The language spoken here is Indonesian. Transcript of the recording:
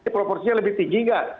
proporsinya lebih tinggi nggak